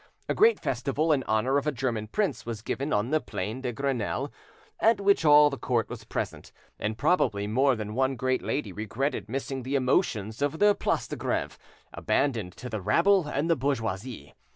A great festival in honour of a German prince was given on the Plaine de Grenelle, at which all the court was present; and probably more than one great lady regretted missing the emotions of the Place de Greve, abandoned to the rabble and the bourgeoisie.